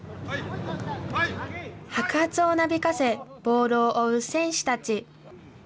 白髪をなびかせ、ボールを追う選手たち。